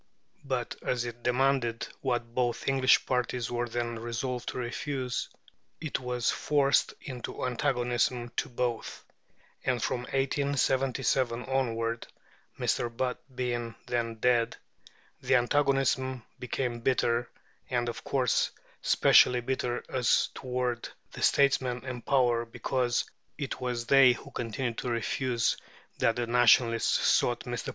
But as it demanded what both English parties were then resolved to refuse, it was forced into antagonism to both; and from 1877 onward (Mr. Butt being then dead) the antagonism became bitter, and, of course, specially bitter as toward the statesmen in power, because it was they who continued to refuse what the Nationalists sought. Mr.